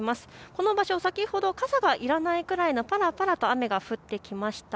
この場所、先ほど傘がいらないくらいなパラパラの雨が降ってきました。